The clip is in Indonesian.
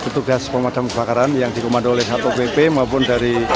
petugas pemadam kebakaran yang dikomando oleh hopp maupun dari